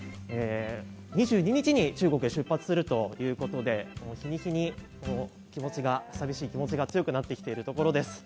２２日に中国へ出発するということで日に日にさみしい気持ちが強くなってきているところです。